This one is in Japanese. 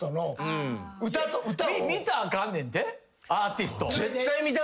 見たらあかんねんでアーティスト。